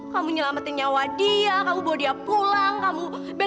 kamu nyelamatin nyawa dia kamu bawa dia pulang kamu belain dia mati matian